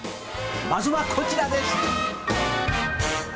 まずはこちらです。